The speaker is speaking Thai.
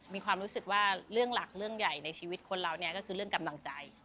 มีความรู้สึกว่าเรื่องหลักเรื่องใหญ่ในชีวิตคนเราเนี่ยก็คือเรื่องกำลังใจ